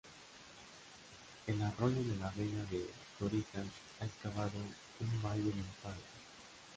El Arroyo de la Vega de Torija ha excavado un valle en el páramo.